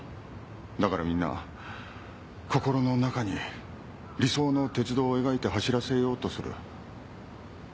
だからみんな心の中に理想の鉄道を描いて走らせようとする。